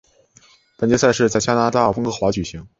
本届赛事在加拿大温哥华举行。